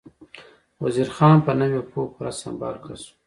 وزیر خان په نوې پوهه پوره سمبال کس و.